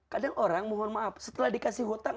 kadang orang mohon maaf setelah dikasih hutang